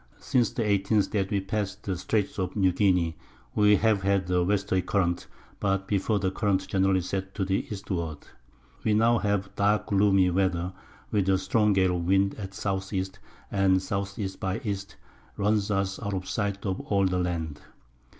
Since the 18_th_ that we past the Streights of New Guinea, we have had a Westerly Current, but before the Current generally set to the Eastward. We have now dark gloomy Weather, with a strong Gale of Wind at S. E. and S. E. by E. runs us out of sight of all the Land.